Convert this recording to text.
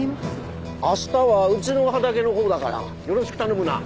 明日はうちの畑のほうだからよろしく頼むな。